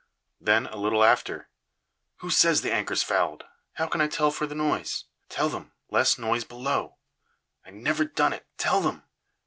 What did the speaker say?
Then, a little after: "Who says the anchor's fouled? How can I tell for the noise? Tell them, less noise below. I never done it, tell them!